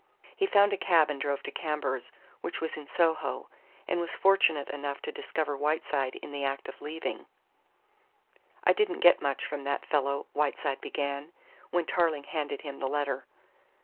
He found a cab and drove to Cambours, which was in Soho, and was fortunate enough to discover Whiteside in the act of leaving. "I didn't get much from that fellow," Whiteside began, when Tarling handed him the letter.